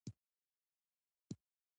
نو ياد ناول له پېښو سره ښه مطابقت کوي.